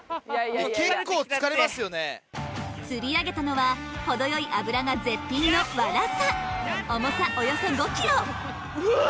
釣り上げたのは程よい脂が絶品のワラサ重さおよそ５ｋｇうわっ！